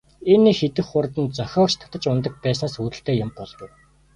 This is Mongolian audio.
Энэ их идэвх хурд нь зохиогч татаж унадаг байснаас үүдэлтэй юм болов уу?